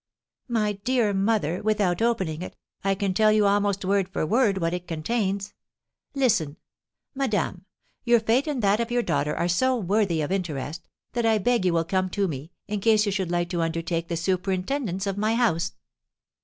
"My dear mother, without opening it, I can tell you almost word for word what it contains. Listen: 'Madame, Your fate and that of your daughter are so worthy of interest, that I beg you will come to me, in case you should like to undertake the superintendence of my house.'"